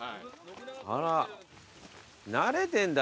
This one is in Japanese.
あら慣れてんだ